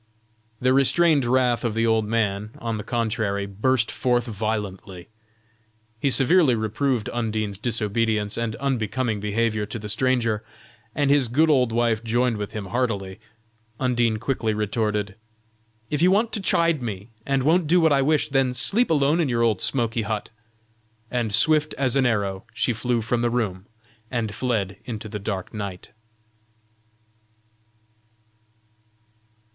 The restrained wrath of the old man, on the contrary, burst forth violently. He severely reproved Undine's disobedience and unbecoming behavior to the stranger, and his good old wife joined with him heartily. Undine quickly retorted: "If you want to chide me, and won't do what I wish, then sleep alone in your old smoky hut!" and swift as an arrow she flew from the room, and fled into the dark night.